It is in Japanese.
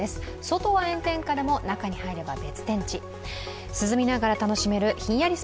外は炎天下でも、中に入れば別天地涼みながら楽しめるひんやり